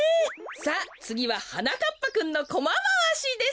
さあつぎははなかっぱくんのコマまわしです。